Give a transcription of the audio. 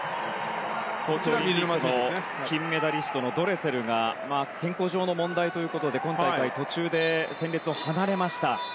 東京オリンピックの金メダリストのドレセルが健康上の問題ということで今大会、途中で戦列を離れました。